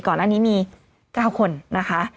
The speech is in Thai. ก่อนอันนี้มี๙คนนะคะ